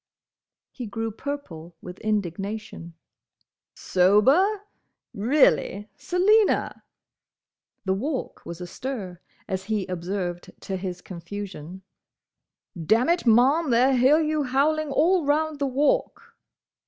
He grew purple with indignation. "Sober!—Reely, Selina!—" The Walk was astir, as he observed to his confusion. "Dammit, Ma'am, they'll hear you howling all round the Walk!"